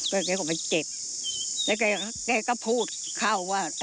แล้วแกก็มาเจ็บแล้วแกก็พูดเข้าว่า